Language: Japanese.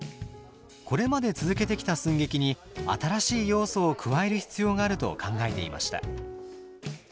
これまで続けてきた寸劇に新しい要素を加える必要があると考えていました。